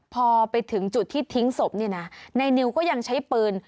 พอไปถึงจุดที่ทิ้งศพเนี่ยนะในนิวก็ยังใช้ปืน